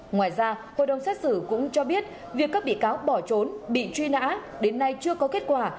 ngoài ra hội đồng xét xử cũng cho biết việc các bị cáo bỏ trốn bị truy nã đến nay chưa có kết quả